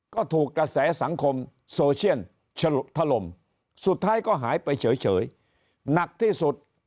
ก็ถูกกระแสสังคมโซเชียลฉลุถล่มสุดท้ายก็หายไปเฉยหนักที่สุด